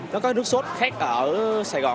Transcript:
nó có nước sốt khác ở saigon